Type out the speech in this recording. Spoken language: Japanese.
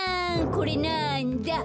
これなんだ？